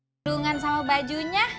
berlungan sama bajunya